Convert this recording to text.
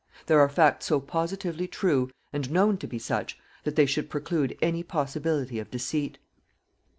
There are facts so positively true, and known to be such, that they should preclude any possibility of deceit.